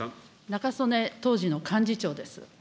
中曽根、当時の幹事長です。